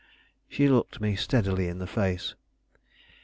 She looked me steadily in the face.